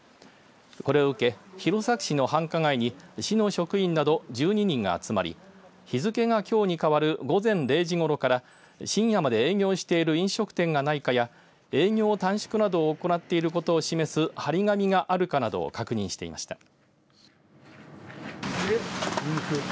これを受け、弘前市の繁華街に市の職員など１２人が集まり日付がきょうに変わる午前０時ごろから深夜まで営業している飲食店がないかや営業短縮など行っていること示す貼り紙があるかなどを確認しました。